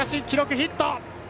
記録、ヒット。